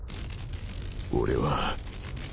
俺は